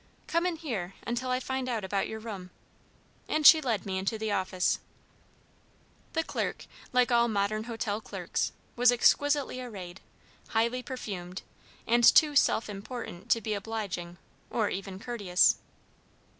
Come in here, until I find out about your room;" and she led me into the office. The clerk, like all modern hotel clerks, was exquisitely arrayed, highly perfumed, and too self important to be obliging, or even courteous.